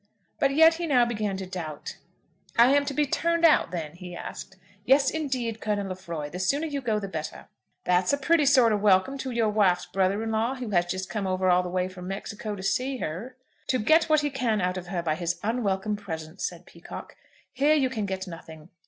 But yet he now began to doubt. "I am to be turned out, then?" he asked. "Yes, indeed, Colonel Lefroy. The sooner you go the better." "That's a pretty sort of welcome to your wife's brother in law, who has just come over all the way from Mexico to see her." "To get what he can out of her by his unwelcome presence," said Peacocke. "Here you can get nothing.